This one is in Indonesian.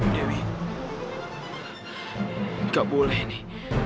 dewi gak boleh nih